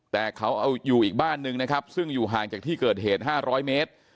แต่เขาเอาอยู่อีกบ้านนึงนะครับซึ่งอยู่ห่างจากที่เกิดเหตุ๕๐๐เมตร